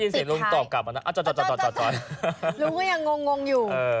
เสียงลุงตอบกลับมานะลุงก็ยังงงอยู่